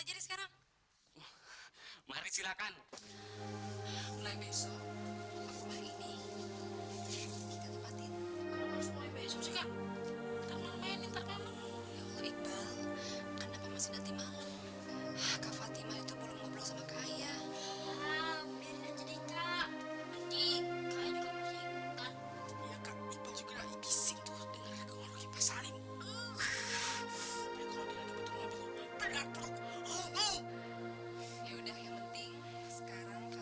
mereka harus sangat hati hati ya